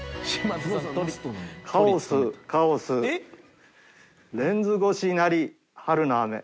カオスカオスレンズ越しなり春の雨。